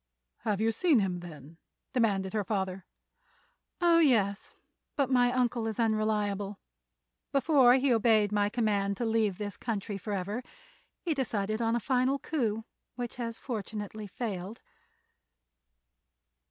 "Have you seen him, then?" demanded her father. "Oh, yes; but my uncle is unreliable. Before he obeyed my command to leave this country forever he decided on a final coup, which has fortunately failed."